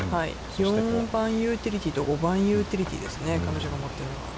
４番ユーティリティーと５番ユーティリティーですね、彼女が持っているのは。